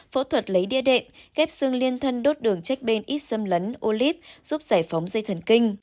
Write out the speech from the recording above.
phẫu thuật lấy địa điểm ghép xương liên thân đốt đường trách bên ít xâm lấn ô líp giúp giải phóng dây thần kinh